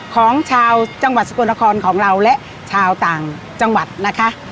ของชาวจังหวัดสกลนครของเราและชาวต่างจังหวัดนะคะ